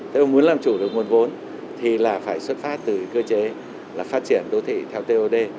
thế ông muốn làm chủ được nguồn vốn thì là phải xuất phát từ cơ chế là phát triển đô thị theo tod